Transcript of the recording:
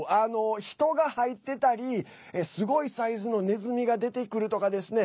人が入ってたりすごいサイズのねずみが出てくるとかですね